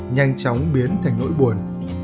nhanh chóng biến thành nỗi buồn